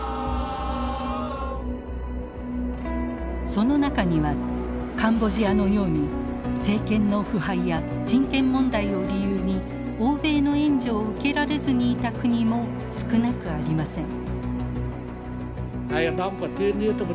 その中にはカンボジアのように政権の腐敗や人権問題を理由に欧米の援助を受けられずにいた国も少なくありません。